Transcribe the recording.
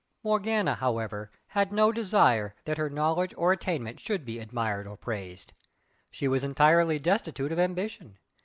Morgana, however, had no desire that her knowledge or attainment should be admitted or praised. She was entirely destitute of ambition.